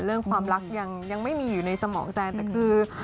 เรื่องความรักยังไม่มีอยู่ในสมองแซนแต่คือ